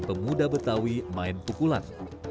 mereka memudah betawi main pukulan